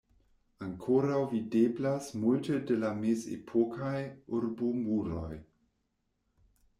Ankoraŭ videblas multe de la mezepokaj urbomuroj.